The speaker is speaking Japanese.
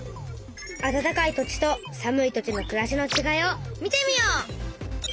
「あたたかい土地とさむい土地のくらしのちがい」を見てみよう！